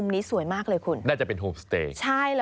น่าจะเป็นหุ่มสเตยร์